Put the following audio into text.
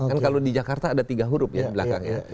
kan kalau di jakarta ada tiga huruf ya belakangnya